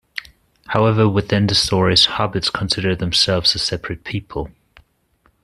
However, within the story, hobbits considered themselves a separate people.